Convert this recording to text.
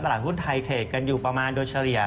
หลังหุ้นไทยเทรดกันอยู่ประมาณโดยเฉลี่ย